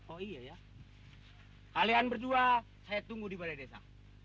oh iya ya kalian berdua saya tunggu di balai desa